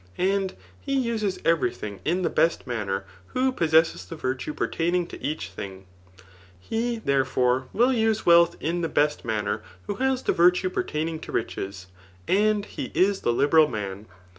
And lie uses every thing in the . best manner, who possesses the virtue pertaining to each thing, lle^ therefore, will use wealth in the best manner, who has the virtue pertaining to riches ; and he is the liberal. man.